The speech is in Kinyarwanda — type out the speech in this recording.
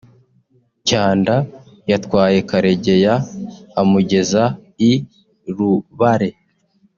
Kyanda yatwaye Karegeya amugeza i Rubare